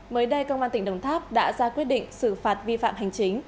mới đây công an tỉnh đồng tháp đã ra quyết định xử phạt vi phạm hành chính